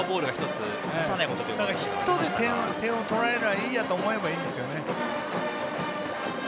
ヒットで点を取られなければいいと思えばいいんですね。